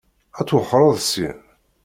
Ad twexxṛeḍ syin?